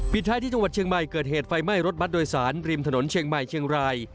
ท้ายที่จังหวัดเชียงใหม่เกิดเหตุไฟไหม้รถบัตรโดยสารริมถนนเชียงใหม่เชียงราย